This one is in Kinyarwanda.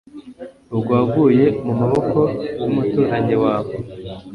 Ubwo waguye mu maboko yumuturanyi wawe